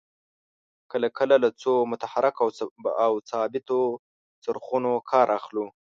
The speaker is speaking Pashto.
کله کله له څو متحرکو او ثابتو څرخونو کار اخلو.